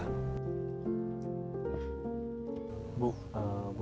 mereka juga tak segan membantu